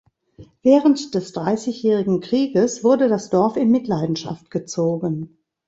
Während des Dreissigjährigen Krieges wurde das Dorf in Mitleidenschaft gezogen.